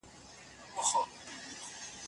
چي تلاوت وي ورته خاندي، موسيقۍ ته ژاړي